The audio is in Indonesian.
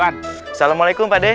assalamualaikum pak d